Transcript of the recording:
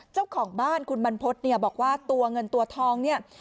เจ้าของบ้านคุณบรรพฤษเนี่ยบอกว่าตัวเงินตัวทองเนี่ย